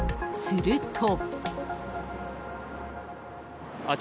すると。